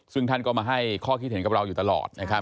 ซึ่งท่านก็มาให้ข้อคิดเห็นกับเราอยู่ตลอดนะครับ